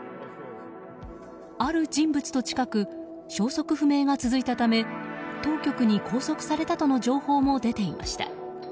ある人物と近く消息不明が続いたため当局に拘束されたとの情報も出ていました。